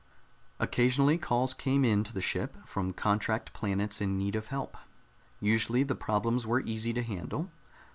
Occasionally calls came in to the ship from contract planets in need of help. Usually the problems were easy to handle.